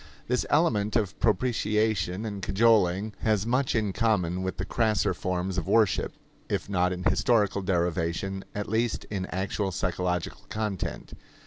This element of propitiation and cajoling has much in common with the crasser forms of worship if not in historical derivation, at least in actual psychological content.